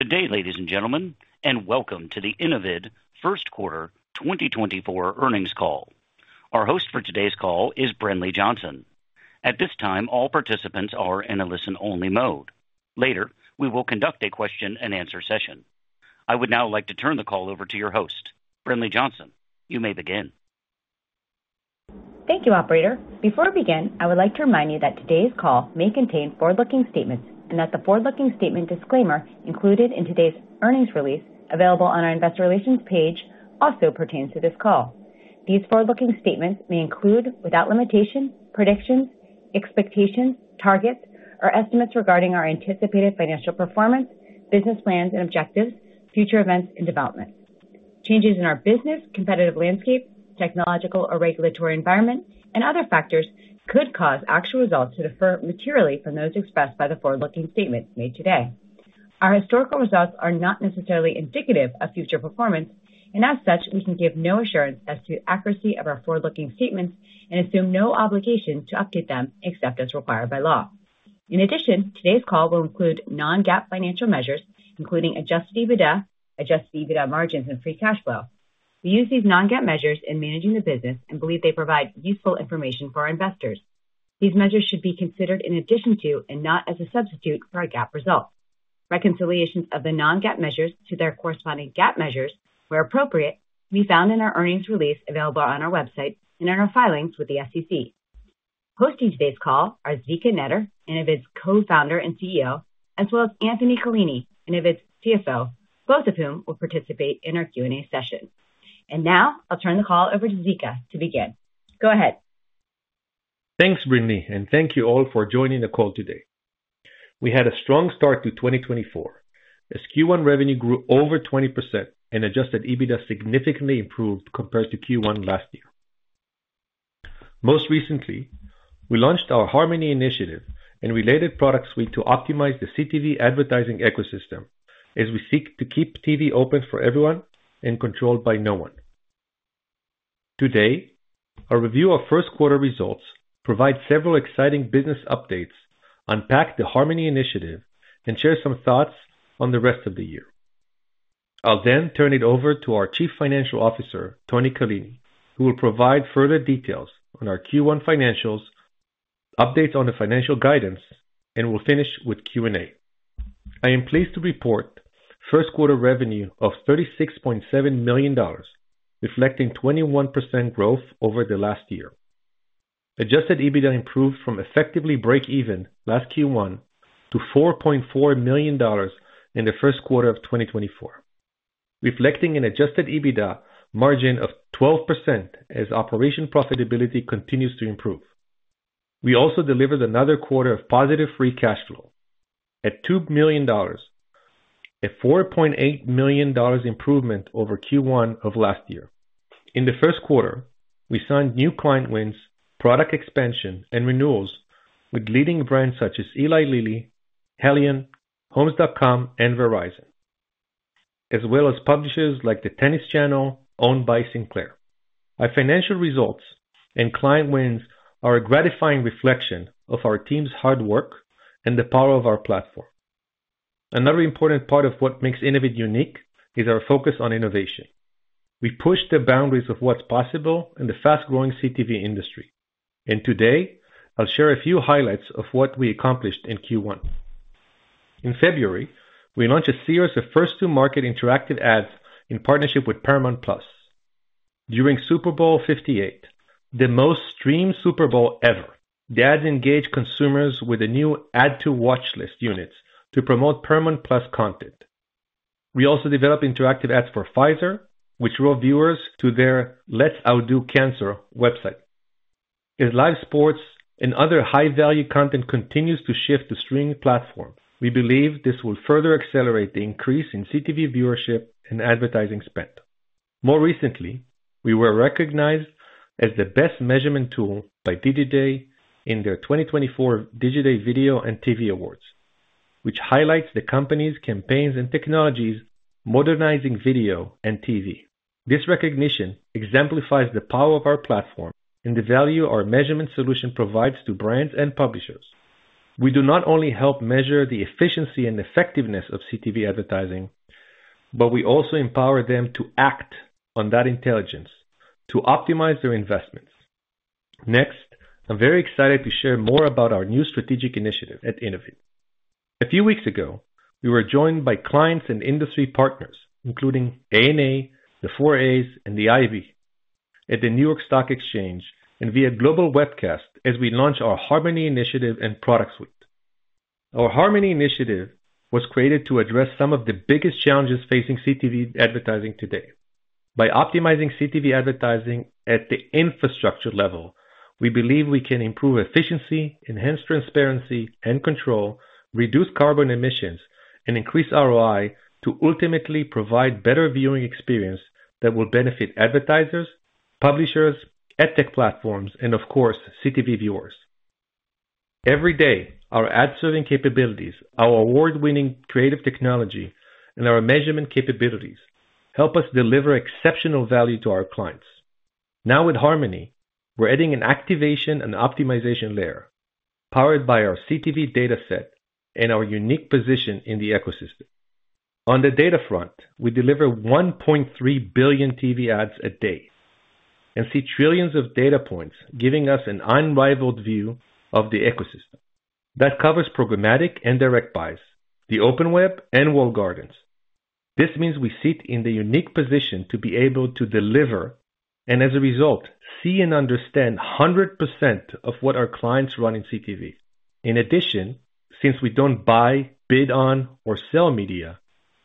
Good day, ladies and gentlemen, and welcome to the Innovid first quarter 2024 earnings call. Our host for today's call is Brinlea Johnson. At this time, all participants are in a listen-only mode. Later, we will conduct a question-and-answer session. I would now like to turn the call over to your host, Brinlea Johnson. You may begin. Thank you, operator. Before we begin, I would like to remind you that today's call may contain forward-looking statements and that the forward-looking statement disclaimer included in today's earnings release, available on our investor relations page, also pertains to this call. These forward-looking statements may include, without limitation, predictions, expectations, targets, or estimates regarding our anticipated financial performance, business plans and objectives, future events and developments. Changes in our business, competitive landscape, technological or regulatory environment, and other factors could cause actual results to differ materially from those expressed by the forward-looking statements made today. Our historical results are not necessarily indicative of future performance, and as such, we can give no assurance as to the accuracy of our forward-looking statements and assume no obligation to update them, except as required by law. In addition, today's call will include non-GAAP financial measures, including Adjusted EBITDA, Adjusted EBITDA margins, and Free Cash Flow. We use these non-GAAP measures in managing the business and believe they provide useful information for our investors. These measures should be considered in addition to and not as a substitute for our GAAP results. Reconciliations of the non-GAAP measures to their corresponding GAAP measures, where appropriate, can be found in our earnings release available on our website and in our filings with the SEC. Hosting today's call are Zvika Netter, Innovid's Co-founder and CEO, as well as Anthony Callini, Innovid's CFO, both of whom will participate in our Q&A session. Now, I'll turn the call over to Zvika to begin. Go ahead. Thanks, Brinlea, and thank you all for joining the call today. We had a strong start to 2024, as Q1 revenue grew over 20% and adjusted EBITDA significantly improved compared to Q1 last year. Most recently, we launched our Harmony Initiative and related product suite to optimize the CTV advertising ecosystem as we seek to keep TV open for everyone and controlled by no one. Today, a review of first quarter results provide several exciting business updates, unpack the Harmony Initiative, and share some thoughts on the rest of the year. I'll then turn it over to our Chief Financial Officer, Tony Callini, who will provide further details on our Q1 financials, updates on the financial guidance, and we'll finish with Q&A. I am pleased to report first quarter revenue of $36.7 million, reflecting 21% growth over the last year. Adjusted EBITDA improved from effectively break even last Q1 to $4.4 million in the first quarter of 2024, reflecting an adjusted EBITDA margin of 12% as operational profitability continues to improve. We also delivered another quarter of positive free cash flow at $2 million, a $4.8 million improvement over Q1 of last year. In the first quarter, we signed new client wins, product expansion, and renewals with leading brands such as Eli Lilly, Haleon, Homes.com, and Verizon, as well as publishers like the Tennis Channel, owned by Sinclair. Our financial results and client wins are a gratifying reflection of our team's hard work and the power of our platform. Another important part of what makes Innovid unique is our focus on innovation. We push the boundaries of what's possible in the fast-growing CTV industry, and today, I'll share a few highlights of what we accomplished in Q1. In February, we launched a series of first-to-market interactive ads in partnership with Paramount+. During Super Bowl 58, the most streamed Super Bowl ever, the ads engaged consumers with a new add-to-watchlist units to promote Paramount+ content. We also developed interactive ads for Pfizer, which drove viewers to their Let's Outdo Cancer website. As live sports and other high-value content continues to shift to streaming platforms, we believe this will further accelerate the increase in CTV viewership and advertising spend. More recently, we were recognized as the best measurement tool by Digiday in their 2024 Digiday Video and TV Awards, which highlights the company's campaigns and technologies, modernizing video and TV. This recognition exemplifies the power of our platform and the value our measurement solution provides to brands and publishers. We do not only help measure the efficiency and effectiveness of CTV advertising, but we also empower them to act on that intelligence to optimize their investments. Next, I'm very excited to share more about our new strategic initiative at Innovid. A few weeks ago, we were joined by clients and industry partners, including ANA, the 4A's, and the IAB, at the New York Stock Exchange and via global webcast as we launch our Harmony Initiative and Product Suite. Our Harmony Initiative was created to address some of the biggest challenges facing CTV advertising today. By optimizing CTV advertising at the infrastructure level, we believe we can improve efficiency, enhance transparency and control, reduce carbon emissions, and increase ROI to ultimately provide better viewing experience that will benefit advertisers, publishers, ad tech platforms, and of course, CTV viewers. Every day, our ad serving capabilities, our award-winning creative technology, and our measurement capabilities help us deliver exceptional value to our clients. Now, with Harmony, we're adding an activation and optimization layer... powered by our CTV data set and our unique position in the ecosystem. On the data front, we deliver 1.3 billion TV ads a day, and see trillions of data points, giving us an unrivaled view of the ecosystem. That covers programmatic and direct buys, the open web, and walled gardens. This means we sit in the unique position to be able to deliver, and as a result, see and understand 100% of what our clients run in CTV. In addition, since we don't buy, bid on, or sell media,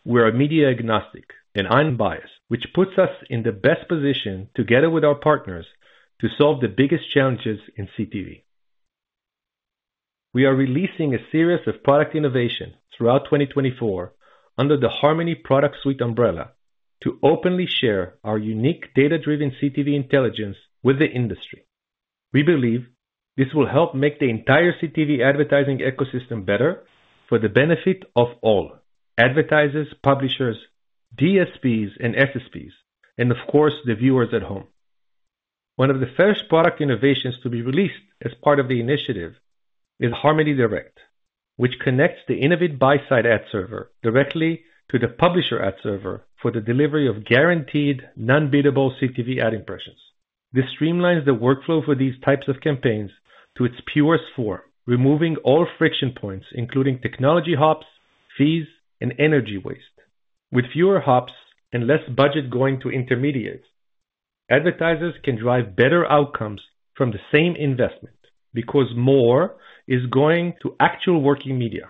we're media agnostic and unbiased, which puts us in the best position, together with our partners, to solve the biggest challenges in CTV. We are releasing a series of product innovation throughout 2024 under the Harmony Product Suite umbrella, to openly share our unique data-driven CTV intelligence with the industry. We believe this will help make the entire CTV advertising ecosystem better for the benefit of all advertisers, publishers, DSPs, and SSPs, and of course, the viewers at home. One of the first product innovations to be released as part of the initiative is Harmony Direct, which connects the Innovid buy-side ad server directly to the publisher ad server for the delivery of guaranteed non-biddable CTV ad impressions. This streamlines the workflow for these types of campaigns to its purest form, removing all friction points, including technology hops, fees, and energy waste. With fewer hops and less budget going to intermediates, advertisers can drive better outcomes from the same investment because more is going to actual working media.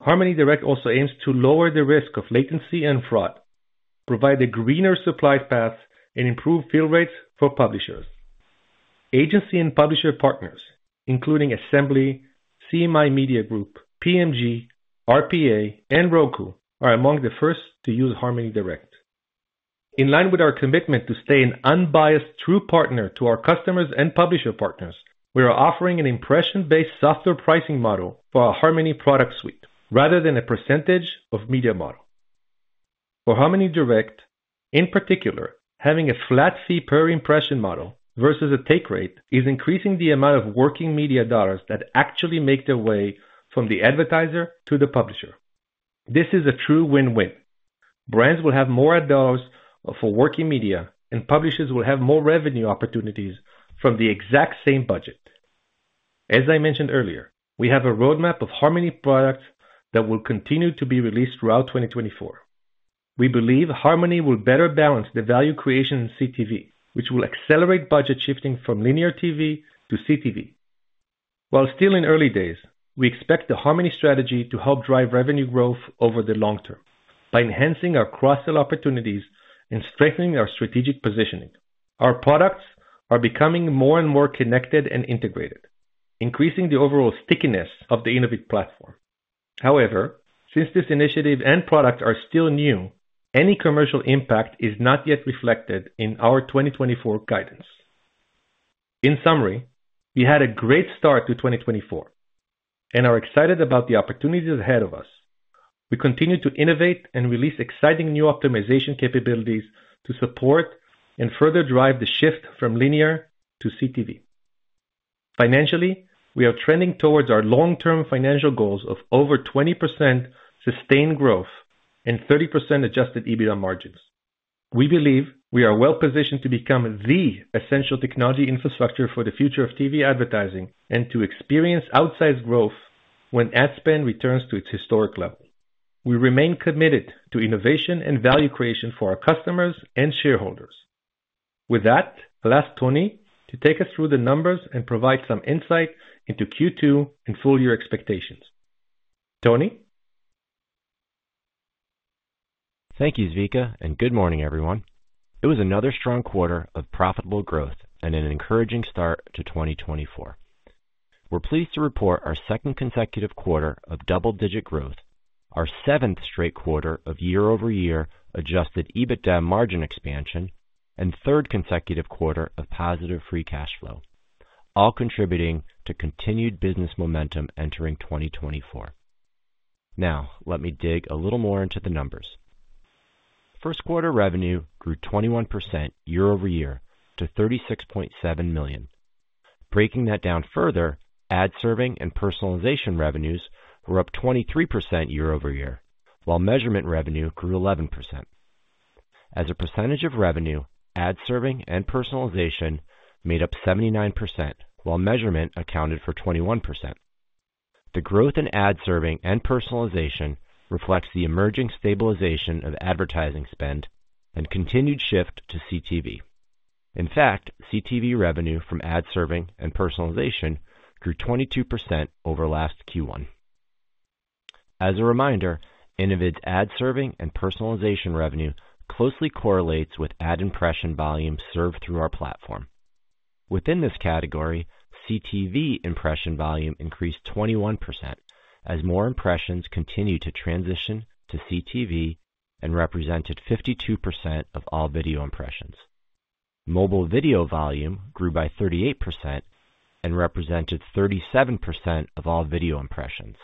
Harmony Direct also aims to lower the risk of latency and fraud, provide a greener supply path, and improve fill rates for publishers. Agency and publisher partners, including Assembly, CMI Media Group, PMG, RPA, and Roku, are among the first to use Harmony Direct. In line with our commitment to stay an unbiased, true partner to our customers and publisher partners, we are offering an impression-based software pricing model for our Harmony Product Suite, rather than a percentage of media model. For Harmony Direct, in particular, having a flat fee per impression model versus a take rate, is increasing the amount of working media dollars that actually make their way from the advertiser to the publisher. This is a true win-win. Brands will have more ad dollars for working media, and publishers will have more revenue opportunities from the exact same budget. As I mentioned earlier, we have a roadmap of Harmony products that will continue to be released throughout 2024. We believe Harmony will better balance the value creation in CTV, which will accelerate budget shifting from linear TV to CTV. While still in early days, we expect the Harmony strategy to help drive revenue growth over the long term by enhancing our cross-sell opportunities and strengthening our strategic positioning. Our products are becoming more and more connected and integrated, increasing the overall stickiness of the Innovid platform. However, since this initiative and product are still new, any commercial impact is not yet reflected in our 2024 guidance. In summary, we had a great start to 2024 and are excited about the opportunities ahead of us. We continue to innovate and release exciting new optimization capabilities to support and further drive the shift from linear to CTV. Financially, we are trending towards our long-term financial goals of over 20% sustained growth and 30% Adjusted EBITDA margins. We believe we are well positioned to become the essential technology infrastructure for the future of TV advertising and to experience outsized growth when ad spend returns to its historic level. We remain committed to innovation and value creation for our customers and shareholders. With that, I'll ask Tony to take us through the numbers and provide some insight into Q2 and full year expectations. Tony? Thank you, Zvika, and good morning, everyone. It was another strong quarter of profitable growth and an encouraging start to 2024. We're pleased to report our second consecutive quarter of double-digit growth, our seventh straight quarter of year-over-year Adjusted EBITDA margin expansion, and third consecutive quarter of positive free cash flow, all contributing to continued business momentum entering 2024. Now, let me dig a little more into the numbers. First quarter revenue grew 21% year-over-year to $36.7 million. Breaking that down further, ad serving and personalization revenues were up 23% year-over-year, while measurement revenue grew 11%. As a percentage of revenue, ad serving and personalization made up 79%, while measurement accounted for 21%. The growth in ad serving and personalization reflects the emerging stabilization of advertising spend and continued shift to CTV. In fact, CTV revenue from ad serving and personalization grew 22% over last Q1. As a reminder, Innovid's ad serving and personalization revenue closely correlates with ad impression volume served through our platform. Within this category, CTV impression volume increased 21% as more impressions continued to transition to CTV and represented 52% of all video impressions. Mobile video volume grew by 38% and represented 37% of all video impressions,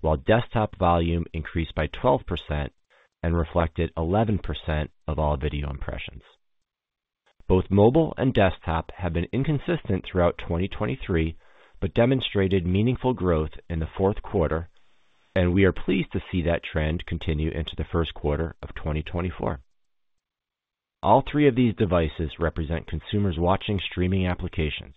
while desktop volume increased by 12% and reflected 11% of all video impressions. Both mobile and desktop have been inconsistent throughout 2023, but demonstrated meaningful growth in the fourth quarter, and we are pleased to see that trend continue into the first quarter of 2024. All three of these devices represent consumers watching streaming applications,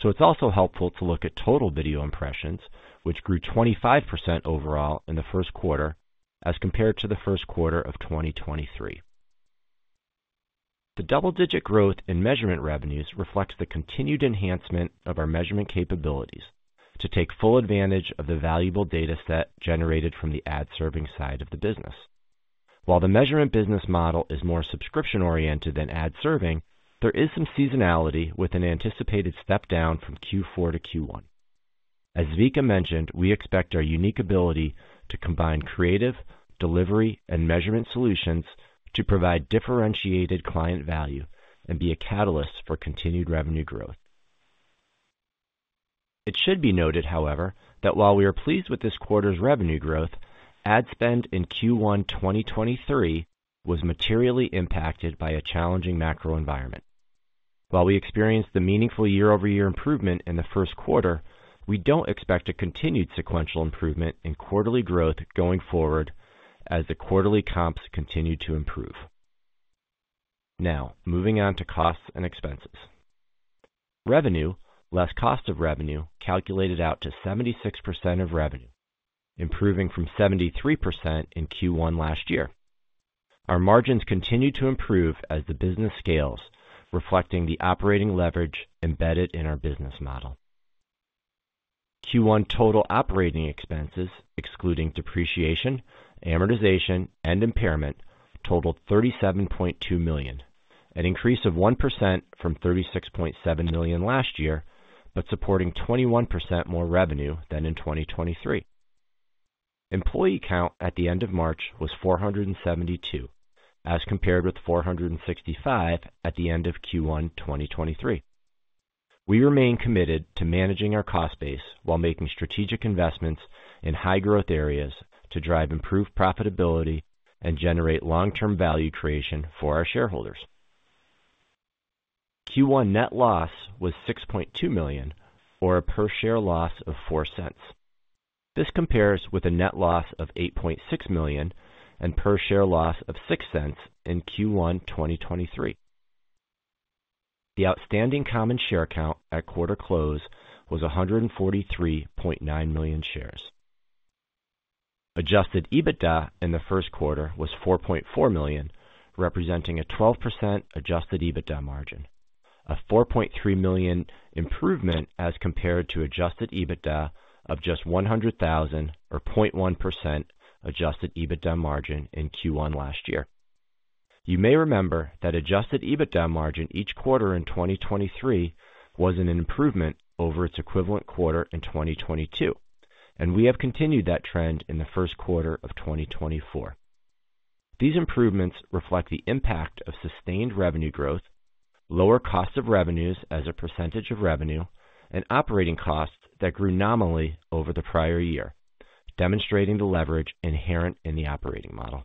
so it's also helpful to look at total video impressions, which grew 25% overall in the first quarter as compared to the first quarter of 2023. The double-digit growth in measurement revenues reflects the continued enhancement of our measurement capabilities to take full advantage of the valuable data set generated from the ad-serving side of the business. While the measurement business model is more subscription-oriented than ad serving, there is some seasonality with an anticipated step down from Q4 to Q1. As Vika mentioned, we expect our unique ability to combine creative, delivery, and measurement solutions to provide differentiated client value and be a catalyst for continued revenue growth. It should be noted, however, that while we are pleased with this quarter's revenue growth, ad spend in Q1 2023 was materially impacted by a challenging macro environment. While we experienced a meaningful year-over-year improvement in the first quarter, we don't expect a continued sequential improvement in quarterly growth going forward as the quarterly comps continue to improve. Now, moving on to costs and expenses. Revenue, less cost of revenue, calculated out to 76% of revenue, improving from 73% in Q1 last year. Our margins continue to improve as the business scales, reflecting the operating leverage embedded in our business model. Q1 total operating expenses, excluding depreciation, amortization, and impairment, totaled $37.2 million, an increase of 1% from $36.7 million last year, but supporting 21% more revenue than in 2023. Employee count at the end of March was 472, as compared with 465 at the end of Q1 2023. We remain committed to managing our cost base while making strategic investments in high-growth areas to drive improved profitability and generate long-term value creation for our shareholders. Q1 net loss was $6.2 million, or a per-share loss of $0.04. This compares with a net loss of $8.6 million and per-share loss of $0.06 in Q1 2023. The outstanding common share count at quarter close was 143.9 million shares. Adjusted EBITDA in the first quarter was $4.4 million, representing a 12% adjusted EBITDA margin, a $4.3 million improvement as compared to adjusted EBITDA of just $100,000 or 0.1% adjusted EBITDA margin in Q1 last year. You may remember that adjusted EBITDA margin each quarter in 2023 was an improvement over its equivalent quarter in 2022, and we have continued that trend in the first quarter of 2024. These improvements reflect the impact of sustained revenue growth, lower cost of revenues as a percentage of revenue, and operating costs that grew nominally over the prior year, demonstrating the leverage inherent in the operating model.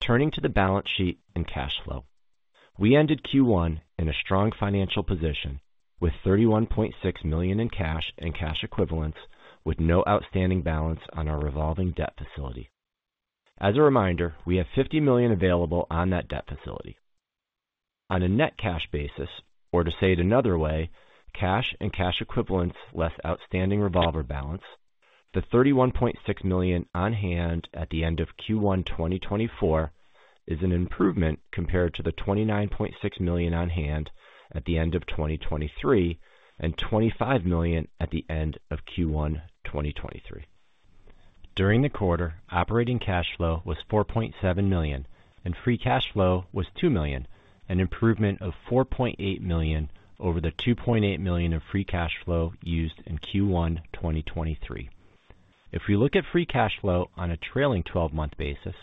Turning to the balance sheet and cash flow. We ended Q1 in a strong financial position with $31.6 million in cash and cash equivalents, with no outstanding balance on our revolving debt facility. As a reminder, we have $50 million available on that debt facility. On a net cash basis, or to say it another way, cash and cash equivalents less outstanding revolver balance, the $31.6 million on hand at the end of Q1 2024 is an improvement compared to the $29.6 million on hand at the end of 2023, and $25 million at the end of Q1 2023. During the quarter, operating cash flow was $4.7 million, and free cash flow was $2 million, an improvement of $4.8 million over the $2.8 million of free cash flow used in Q1 2023. If we look at free cash flow on a trailing twelve-month basis,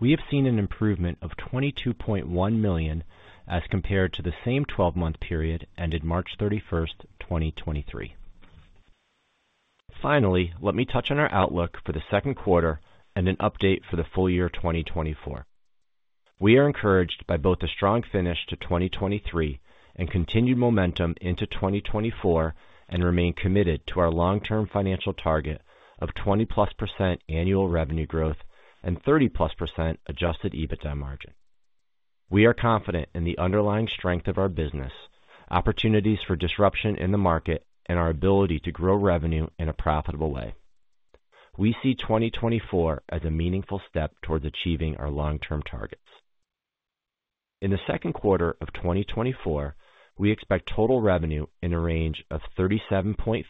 we have seen an improvement of $22.1 million as compared to the same twelve-month period ended March 31, 2023. Finally, let me touch on our outlook for the second quarter and an update for the full year 2024. We are encouraged by both the strong finish to 2023 and continued momentum into 2024, and remain committed to our long-term financial target of 20%+ annual revenue growth and 30%+ Adjusted EBITDA margin. We are confident in the underlying strength of our business, opportunities for disruption in the market, and our ability to grow revenue in a profitable way. We see 2024 as a meaningful step towards achieving our long-term targets. In the second quarter of 2024, we expect total revenue in a range of $37.5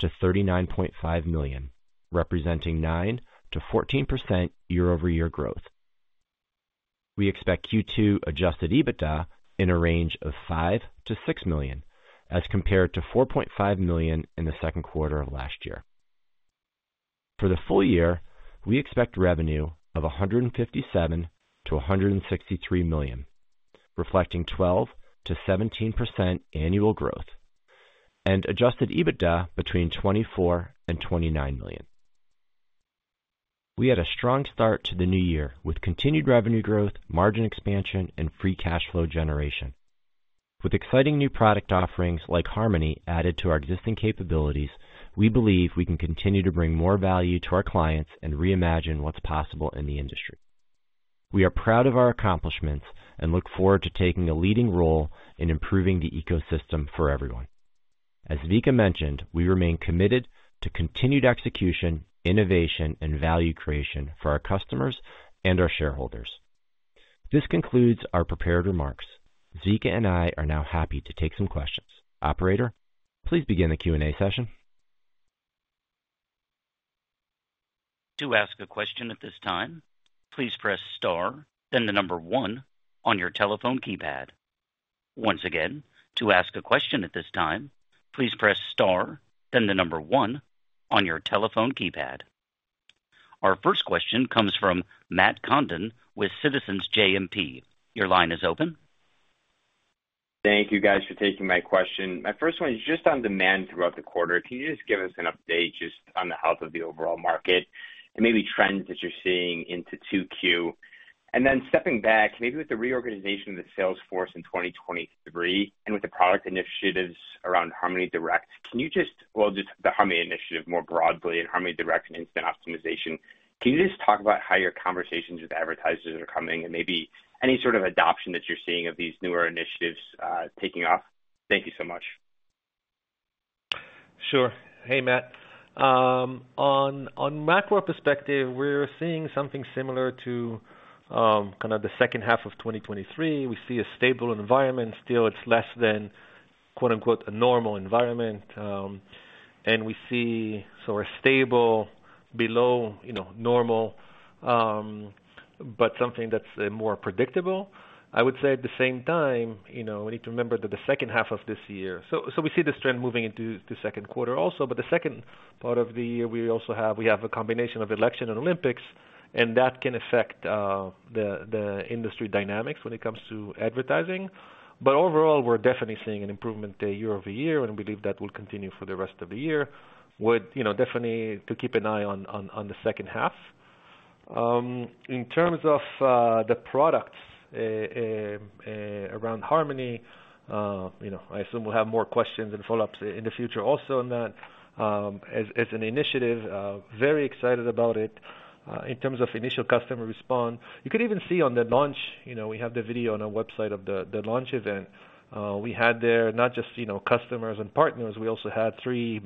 million-$39.5 million, representing 9%-14% year-over-year growth. We expect Q2 Adjusted EBITDA in a range of $5 million-$6 million, as compared to $4.5 million in the second quarter of last year. For the full year, we expect revenue of $157 million-$163 million, reflecting 12%-17% annual growth, and Adjusted EBITDA between $24 million and $29 million. We had a strong start to the new year, with continued revenue growth, margin expansion, and free cash flow generation. With exciting new product offerings like Harmony added to our existing capabilities, we believe we can continue to bring more value to our clients and reimagine what's possible in the industry. We are proud of our accomplishments and look forward to taking a leading role in improving the ecosystem for everyone. As Zvika mentioned, we remain committed to continued execution, innovation, and value creation for our customers and our shareholders. This concludes our prepared remarks. Zvika and I are now happy to take some questions. Operator, please begin the Q&A session. To ask a question at this time, please press star, then one on your telephone keypad. Once again, to ask a question at this time, please press star, then one on your telephone keypad. Our first question comes from Matt Condon with Citizens JMP. Your line is open. Thank you, guys, for taking my question. My first one is just on demand throughout the quarter. Can you just give us an update just on the health of the overall market and maybe trends that you're seeing into 2Q? And then stepping back, maybe with the reorganization of the sales force in 2023, and with the product initiatives around Harmony Direct, can you just, well, just the Harmony Initiative more broadly and Harmony Direct and instant optimization, can you just talk about how your conversations with advertisers are coming and maybe any sort of adoption that you're seeing of these newer initiatives taking off? Thank you so much. Sure. Hey, Matt. On macro perspective, we're seeing something similar to kind of the second half of 2023. We see a stable environment. Still, it's less than, quote, unquote, "a normal environment." And we see sort of stable below, you know, normal, but something that's more predictable. I would say at the same time, you know, we need to remember that the second half of this year. So we see this trend moving into the second quarter also. But the second part of the year, we also have a combination of election and Olympics, and that can affect the industry dynamics when it comes to advertising. But overall, we're definitely seeing an improvement year-over-year, and we believe that will continue for the rest of the year. You know, definitely to keep an eye on the second half. In terms of the products around Harmony, you know, I assume we'll have more questions and follow-ups in the future also on that. As an initiative, very excited about it. In terms of initial customer response, you could even see on the launch, you know, we have the video on our website of the launch event. We had there not just, you know, customers and partners, we also had three,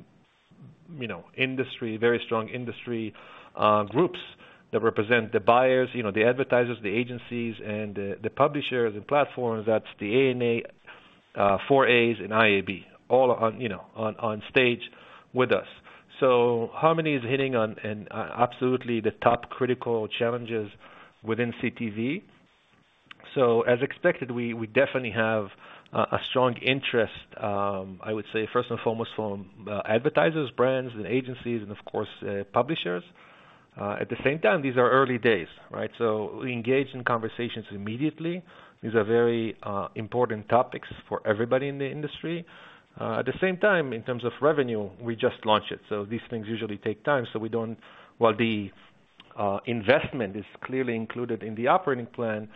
you know, industry, very strong industry groups that represent the buyers, you know, the advertisers, the agencies, and the publishers and platforms. That's the ANA, 4A's and IAB, all on, you know, on stage with us. So Harmony is hitting on and absolutely the top critical challenges within CTV. So as expected, we definitely have a strong interest, I would say, first and foremost, from advertisers, brands and agencies and, of course, publishers. At the same time, these are early days, right? So we engage in conversations immediately. These are very important topics for everybody in the industry. At the same time, in terms of revenue, we just launched it, so these things usually take time, so we don't... While the investment is clearly included in the operating plan,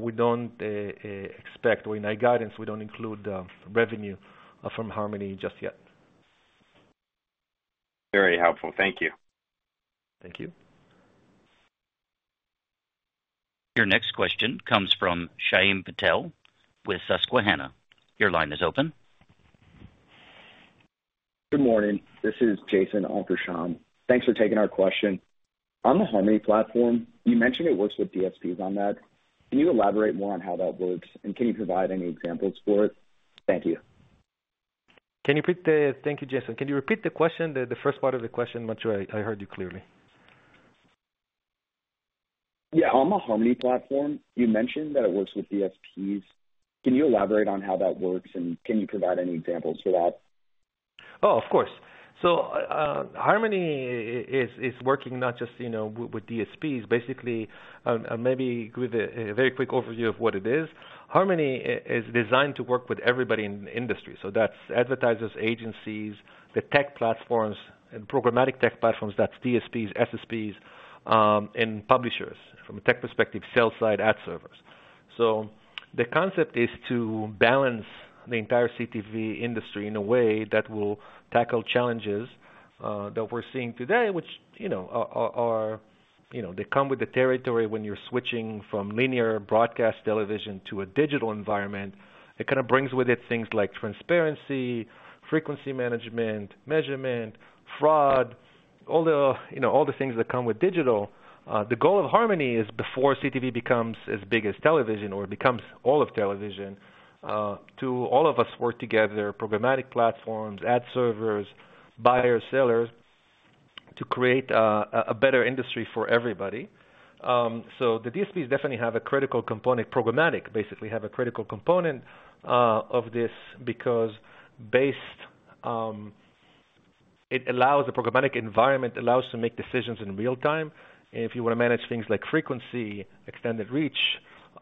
we don't expect or in our guidance, we don't include revenue from Harmony just yet. Very helpful. Thank you. Thank you. Your next question comes from Shyam Patil with Susquehanna. Your line is open. Good morning. This is Jason on for Shyam. Thanks for taking our question. On the Harmony platform, you mentioned it works with DSPs on that. Can you elaborate more on how that works, and can you provide any examples for it? Thank you. Can you repeat the- Thank you, Jason. Can you repeat the question, the, the first part of the question? I'm not sure I heard you clearly. Yeah. On the Harmony platform, you mentioned that it works with DSPs. Can you elaborate on how that works, and can you provide any examples for that? Oh, of course. So, Harmony is working not just, you know, with DSPs. Basically, maybe with a very quick overview of what it is. Harmony is designed to work with everybody in the industry, so that's advertisers, agencies, the tech platforms and programmatic tech platforms, that's DSPs, SSPs, and publishers, from a tech perspective, sell-side ad servers. So the concept is to balance the entire CTV industry in a way that will tackle challenges that we're seeing today, which, you know, are, you know, they come with the territory when you're switching from linear broadcast television to a digital environment. It kind of brings with it things like transparency, frequency management, measurement, fraud, all the, you know, all the things that come with digital. The goal of Harmony is before CTV becomes as big as television or becomes all of television, to all of us work together, programmatic platforms, ad servers, buyers, sellers, to create a better industry for everybody. So the DSPs definitely have a critical component, programmatic basically have a critical component, of this, because based it allows the programmatic environment allows to make decisions in real time. And if you want to manage things like frequency, extended reach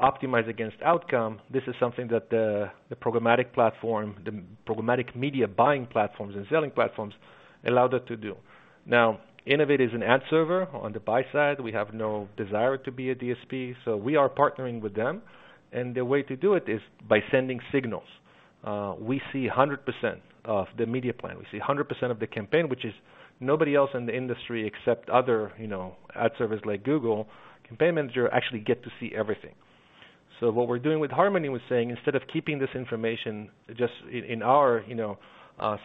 optimize against outcome, this is something that the, the programmatic platform, the programmatic media buying platforms and selling platforms allowed us to do. Now, Innovid is an ad server on the buy side. We have no desire to be a DSP, so we are partnering with them, and the way to do it is by sending signals. We see 100% of the media plan. We see 100% of the campaign, which is nobody else in the industry except other, you know, ad servers like Google Campaign Manager actually get to see everything. So what we're doing with Harmony, was saying, instead of keeping this information just in our, you know,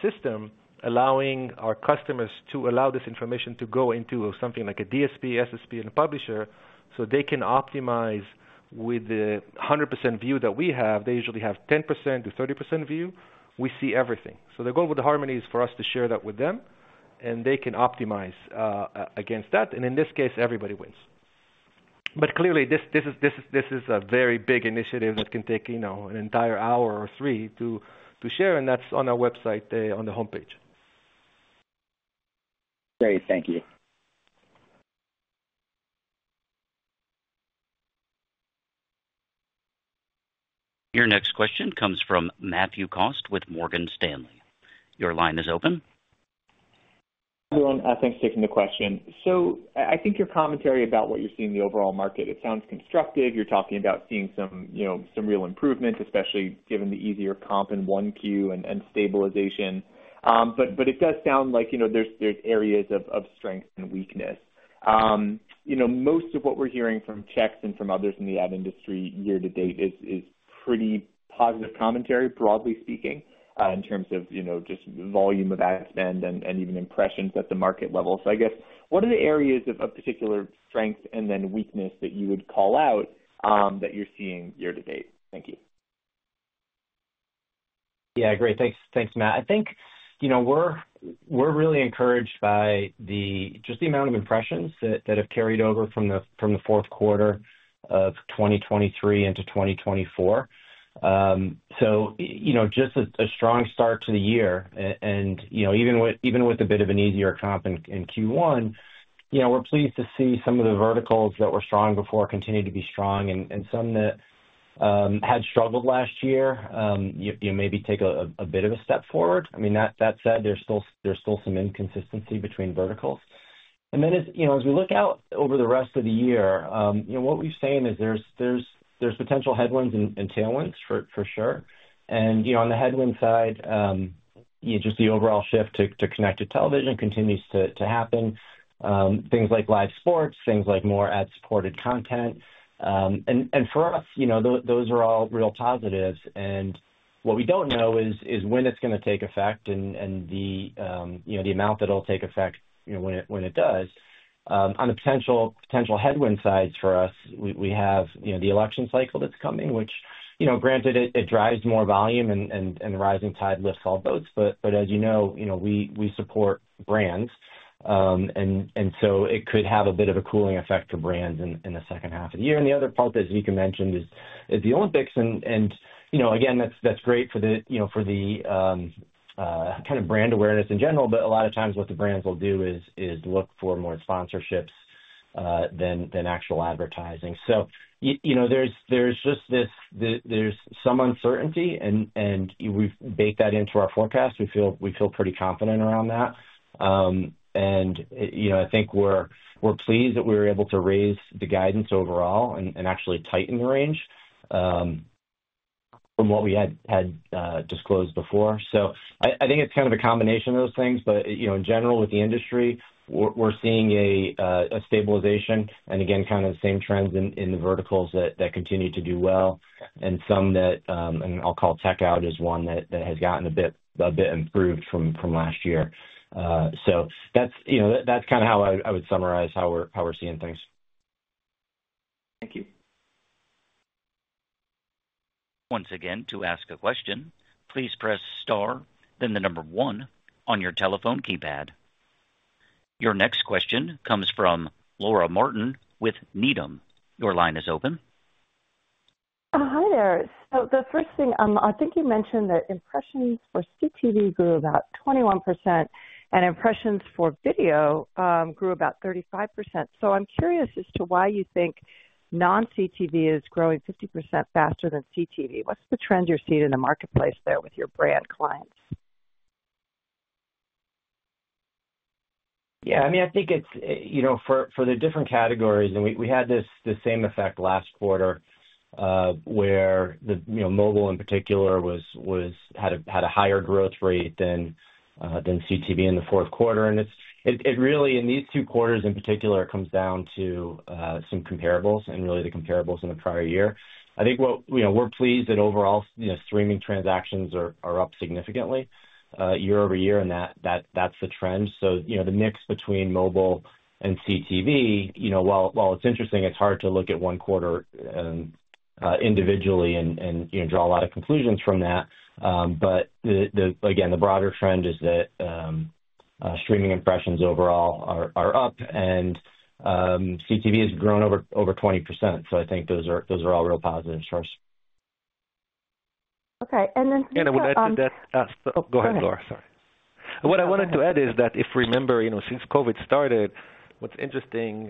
system, allowing our customers to allow this information to go into something like a DSP, SSP, and a publisher, so they can optimize with the 100% view that we have. They usually have 10%-30% view. We see everything. So the goal with the Harmony is for us to share that with them, and they can optimize against that. And in this case, everybody wins. But clearly, this, this is, this, this is a very big initiative that can take, you know, an entire hour or three to share, and that's on our website on the homepage. Great. Thank you. Your next question comes from Matthew Cost with Morgan Stanley. Your line is open. Everyone, thanks for taking the question. So I think your commentary about what you see in the overall market, it sounds constructive. You're talking about seeing some, you know, some real improvement, especially given the easier comp in 1Q and stabilization. But it does sound like, you know, there's areas of strength and weakness. You know, most of what we're hearing from checks and from others in the ad industry year to date is pretty positive commentary, broadly speaking, in terms of, you know, just volume of ad spend and even impressions at the market level. So I guess, what are the areas of particular strength and then weakness that you would call out, that you're seeing year to date? Thank you. Yeah, great. Thanks. Thanks, Matt. I think, you know, we're really encouraged by just the amount of impressions that have carried over from the fourth quarter of 2023 into 2024. So, you know, just a strong start to the year, and, you know, even with a bit of an easier comp in Q1, you know, we're pleased to see some of the verticals that were strong before continue to be strong and some that had struggled last year, you maybe take a bit of a step forward. I mean, that said, there's still some inconsistency between verticals. And then as, you know, as we look out over the rest of the year, you know, what we've seen is there's potential headwinds and tailwinds for sure. You know, on the headwind side, just the overall shift to connected television continues to happen. Things like live sports, things like more ad-supported content, and for us, you know, those are all real positives. And what we don't know is when it's gonna take effect and the amount that it'll take effect, you know, when it does. On the potential headwind sides for us, we have, you know, the election cycle that's coming, which, you know, granted, it drives more volume and rising tide lifts all boats. But as you know, you know, we support brands, and so it could have a bit of a cooling effect for brands in the second half of the year. The other part, as Zvika mentioned, is the Olympics and, you know, again, that's great for the, you know, for the kind of brand awareness in general, but a lot of times what the brands will do is look for more sponsorships than actual advertising. You know, there's just some uncertainty and we've baked that into our forecast. We feel pretty confident around that. And, you know, I think we're pleased that we were able to raise the guidance overall and actually tighten the range from what we had disclosed before. So I think it's kind of a combination of those things. You know, in general, with the industry, we're seeing a stabilization and again, kind of the same trends in the verticals that continue to do well. And some that, and I'll call tech out, as one that has gotten a bit improved from last year. So that's, you know, that's kind of how I would summarize how we're seeing things. Thank you. Once again, to ask a question, please press star, then one on your telephone keypad. Your next question comes from Laura Martin with Needham. Your line is open. Hi there. So the first thing, I think you mentioned that impressions for CTV grew about 21% and impressions for video grew about 35%. So I'm curious as to why you think non-CTV is growing 50% faster than CTV. What's the trend you're seeing in the marketplace there with your brand clients? Yeah, I mean, I think it's, you know, for the different categories, and we had the same effect last quarter, where the, you know, mobile, in particular, was had a higher growth rate than CTV in the fourth quarter. And it's really in these two quarters in particular, it comes down to some comparables and really the comparables in the prior year. I think what... You know, we're pleased that overall, you know, streaming transactions are up significantly year-over-year, and that that's the trend. So, you know, the mix between mobile and CTV, you know, while it's interesting, it's hard to look at one quarter individually and draw a lot of conclusions from that. But the broader trend is that streaming impressions overall are up and CTV has grown over 20%. So I think those are all real positives for us. Okay, and then- I would add to that, oh, go ahead, Laura. Sorry. What I wanted to add is that if, remember, you know, since COVID started, what's interesting,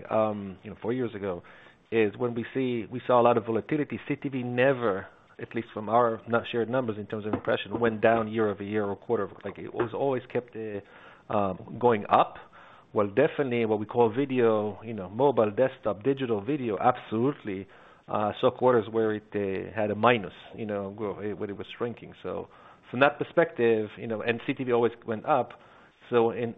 you know, four years ago, is when we saw a lot of volatility. CTV never, at least from our not shared numbers, in terms of impression, went down year-over-year or quarter. Like, it was always kept going up. Well, definitely what we call video, you know, mobile, desktop, digital video, absolutely, saw quarters where it had a minus, you know, grow, where it was shrinking. So from that perspective, you know, and CTV always went up. So in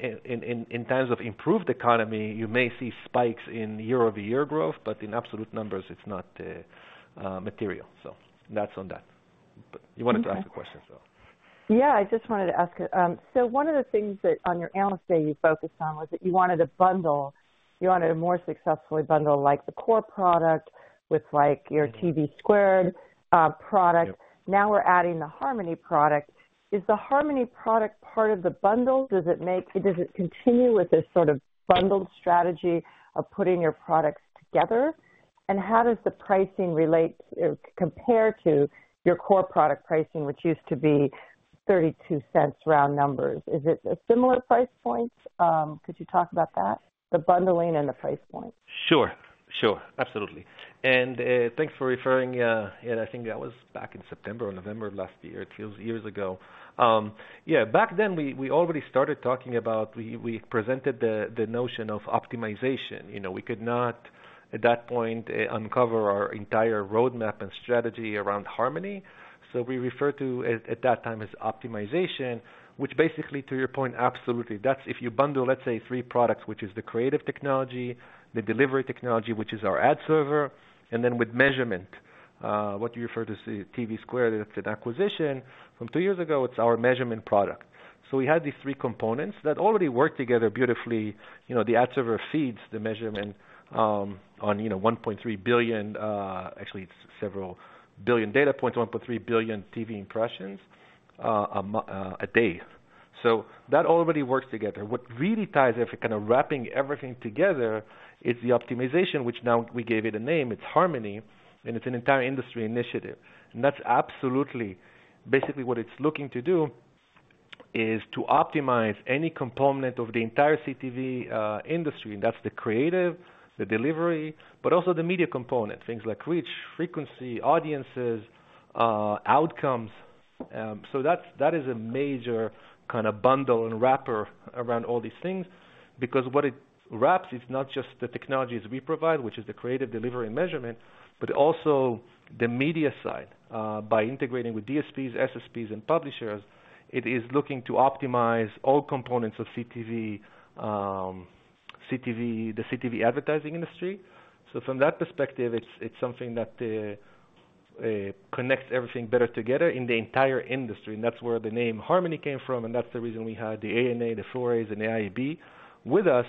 terms of improved economy, you may see spikes in year-over-year growth, but in absolute numbers, it's not material. So that's on that. But you wanted to ask the question, so. Yeah, I just wanted to ask, so one of the things that on your analyst day you focused on was that you wanted to bundle, you wanted to more successfully bundle, like, the core product with, like, your TVSquared product. Yep. Now we're adding the Harmony product. Is the Harmony product part of the bundle? Does it make... Does it continue with this sort of bundled strategy of putting your products together? And how does the pricing relate or compare to your core product pricing, which used to be $0.32, round numbers? Is it a similar price point? Could you talk about that, the bundling and the price point? Sure. Sure. Absolutely. And thanks for referring, and I think that was back in September or November of last year. It feels years ago. Yeah, back then, we already started talking about - we presented the notion of optimization. You know, we could not, at that point, uncover our entire roadmap and strategy around Harmony. So we referred to it at that time as optimization, which basically to your point, absolutely. That's if you bundle, let's say, three products, which is the creative technology, the delivery technology, which is our ad server, and then with measurement, what you refer to as TVSquared. It's an acquisition from two years ago. It's our measurement product. So we had these three components that already work together beautifully. You know, the Ad Server feeds the measurement, on, you know, 1.3 billion, actually, it's several billion data points, 1.3 billion TV impressions, a day. So that already works together. What really ties everything, kind of wrapping everything together, is the optimization, which now we gave it a name, it's Harmony, and it's an entire industry initiative. And that's absolutely... Basically, what it's looking to do is to optimize any component of the entire CTV industry. That's the creative, the delivery, but also the media component. Things like reach, frequency, audiences, outcomes. So that's, that is a major kind of bundle and wrapper around all these things, because what it wraps is not just the technologies we provide, which is the creative, delivery, and measurement, but also the media side. By integrating with DSPs, SSPs, and publishers, it is looking to optimize all components of CTV, CTV, the CTV advertising industry. So from that perspective, it's, it's something that connects everything better together in the entire industry. And that's where the name Harmony came from, and that's the reason we had the ANA, the 4A's, and the IAB with us,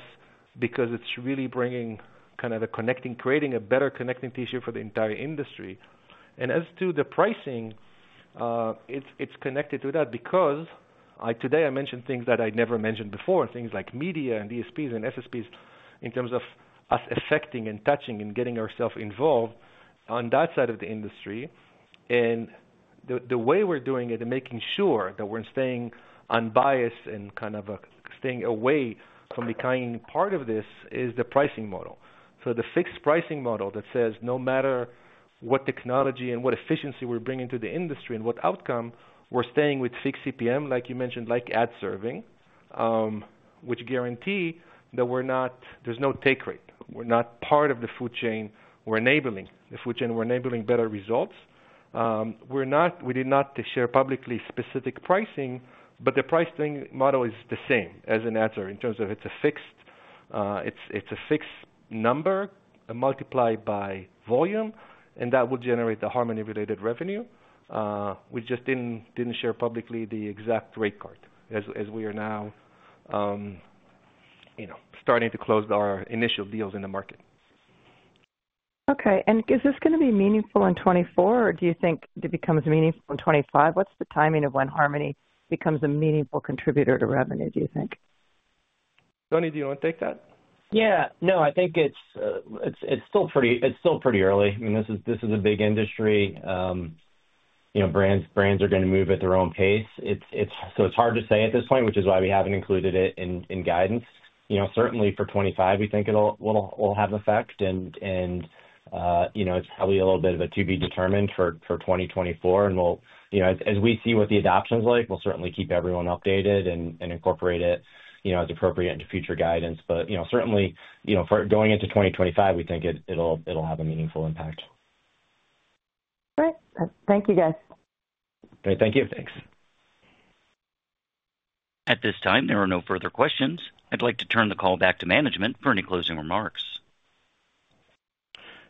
because it's really bringing kind of a connecting, creating a better connecting tissue for the entire industry. And as to the pricing, it's, it's connected to that because today I mentioned things that I'd never mentioned before. Things like media and DSPs and SSPs, in terms of us affecting and touching and getting ourselves involved on that side of the industry. And the way we're doing it and making sure that we're staying unbiased and kind of staying away from becoming part of this, is the pricing model. So the fixed pricing model that says, no matter what technology and what efficiency we're bringing to the industry and what outcome, we're staying with fixed CPM, like you mentioned, like ad serving, which guarantee that we're not—there's no take rate. We're not part of the food chain. We're enabling the food chain. We're enabling better results. We're not—we did not share publicly specific pricing, but the pricing model is the same as an ad server in terms of it's a fixed, it's a fixed number multiplied by volume, and that will generate the Harmony-related revenue. We just didn't share publicly the exact rate card as we are now, you know, starting to close our initial deals in the market. Okay, and is this gonna be meaningful in 2024, or do you think it becomes meaningful in 2025? What's the timing of when Harmony becomes a meaningful contributor to revenue, do you think? Tony, do you want to take that? Yeah. No, I think it's still pretty early. I mean, this is a big industry. You know, brands are gonna move at their own pace. It's hard to say at this point, which is why we haven't included it in guidance. You know, certainly for 2025, we think it'll have effect, and you know, it's probably a little bit of a to-be-determined for 2024. And we'll... You know, as we see what the adoption's like, we'll certainly keep everyone updated and incorporate it, you know, as appropriate into future guidance. But you know, certainly, for going into 2025, we think it'll have a meaningful impact. Great. Thank you, guys. Great. Thank you. Thanks. At this time, there are no further questions. I'd like to turn the call back to management for any closing remarks.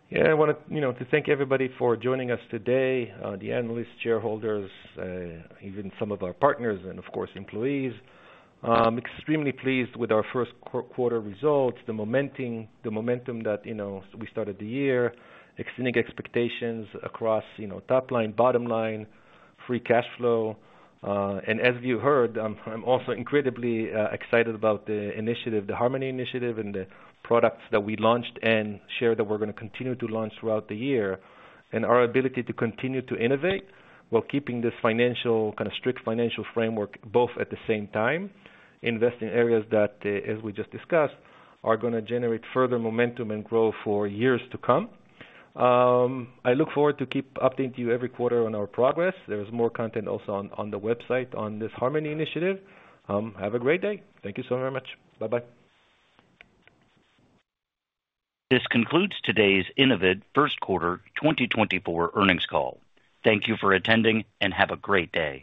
Yeah, I wanted, you know, to thank everybody for joining us today, the analysts, shareholders, even some of our partners, and of course, employees. Extremely pleased with our first quarter results, the momentum that, you know, we started the year, exceeding expectations across, you know, top line, bottom line, free cash flow. And as you heard, I'm also incredibly excited about the initiative, the Harmony Initiative, and the products that we launched and shared that we're gonna continue to launch throughout the year. And our ability to continue to innovate while keeping this financial, kind of, strict financial framework both at the same time, invest in areas that, as we just discussed, are gonna generate further momentum and growth for years to come. I look forward to keep updating you every quarter on our progress. There's more content also on the website on this Harmony Initiative. Have a great day. Thank you so very much. Bye-bye. This concludes today's Innovid first quarter 2024 earnings call. Thank you for attending, and have a great day.